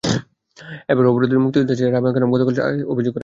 এরপরও অপহৃত মুক্তিযোদ্ধার মেয়ে রাবেয়া খানম গতকাল চকরিয়া থানায় অভিযোগ দিয়েছেন।